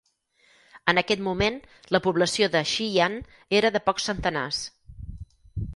En aquest moment, la població de Shiyan era de pocs centenars.